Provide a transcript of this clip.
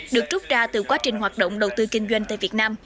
được rút ra từ quá trình hoạt động đầu tư kinh doanh tại việt nam